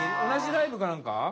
同じライブかなんか？